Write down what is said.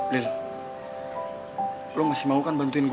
leh lo masih mau kan bantuin gue